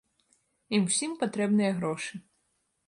Ім усім патрэбныя грошы.